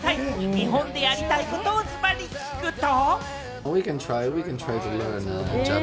日本でやりたいことをズバリ聞くと。